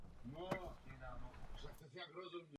Je dobrá, moudrá a důležitá.